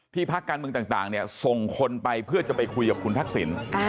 ที่พักการเมืองต่างเนี่ยส่งคนไปเพื่อจะไปคุยกับคุณพรรคสิน